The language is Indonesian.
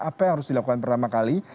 apa yang harus dilakukan pertama kali